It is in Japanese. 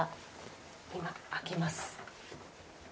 今、開けます。